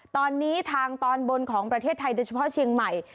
ตอนนี้ทางตอนบนของประเทศไทยโดยเฉพาะเชียงใหม่